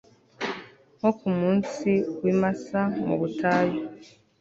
nko ku munsi w'i masa, mu butayu